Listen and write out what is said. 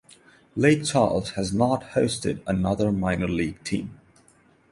Lake Charles has not hosted another minor league team.